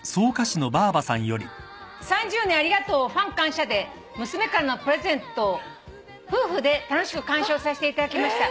「『３０年ありがとうファン感謝デー』娘からのプレゼントを夫婦で楽しく観賞させていただきました」